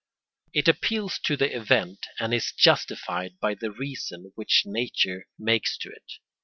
It appeals to the event and is justified by the response which nature makes to it.